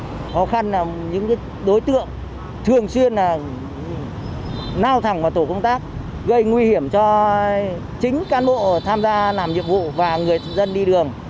khó khăn là những đối tượng thường xuyên nao thẳng vào tổ công tác gây nguy hiểm cho chính cán bộ tham gia làm nhiệm vụ và người dân đi đường